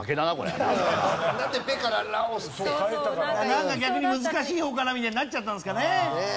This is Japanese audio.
なんか逆に難しい方かなみたいになっちゃったんですかね。